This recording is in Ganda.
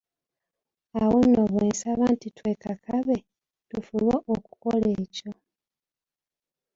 Awo nno bwe nsaba nti twekakabe, tufube okukola ekyo!